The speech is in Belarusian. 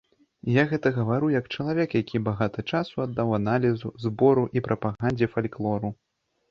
Я гэта гавару як чалавек, які багата часу аддаў аналізу, збору і прапагандзе фальклору.